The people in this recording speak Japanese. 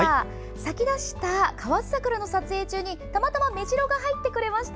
咲きだした河津桜の撮影中にたまたまメジロが入ってくれました。